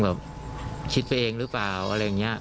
แบบคิดไปเองหรือเปล่าอะไรอย่างนี้